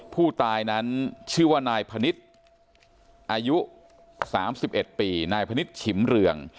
ผู้ตายนั้นชื่อว่านายพนิษฐ์อายุ๓๑ปีนายพนิษฐ์ฉิมเรือง